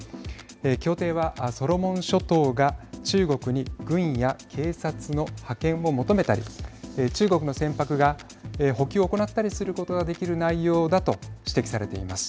協定は、ソロモン諸島が中国に軍や警察の派遣を求めたり中国の船舶が補給を行ったりすることができる内容だと指摘されています。